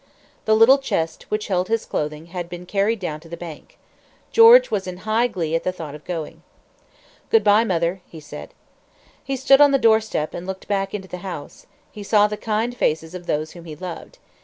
The little chest which held his clothing had been carried down to the bank. George was in high glee at the thought of going. "Good bye, mother," he said. He stood on the doorstep and looked back into the house. He saw the kind faces of those whom he loved.